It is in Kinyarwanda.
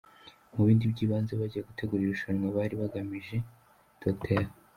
Mu bindi by’ibanze bajya gutegura iri rushanwa bari bagamije, Dr.